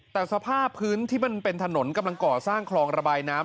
แต่สภาพพื้นที่มันเป็นถนนกำลังก่อสร้างคลองระบายน้ำ